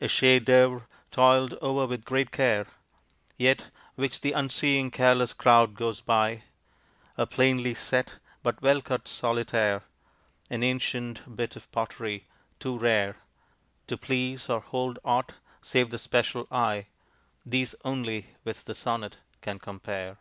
A chef d'oeuvre toiled over with great care, Yet which the unseeing careless crowd goes by, A plainly set, but well cut solitaire, An ancient bit of pottery, too rare To please or hold aught save the special eye, These only with the sonnet can compare.